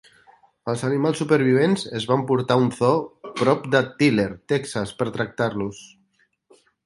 Els animals supervivents es van portar a un zoo prop de Tyler, Texas, per tractar-los.